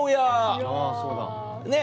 あぁそうだ。ねっ。